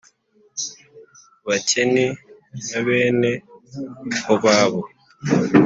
Bakeni na bene Hobabu